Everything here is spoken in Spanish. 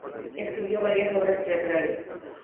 Escribió varias obras teatrales.